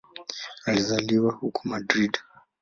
Alizaliwa huko Madrid.